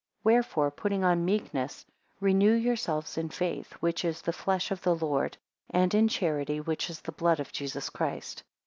7 Wherefore putting on meekness, renew yourselves in faith, which is the flesh of the Lord; and in charity, which is the blood of Jesus Christ.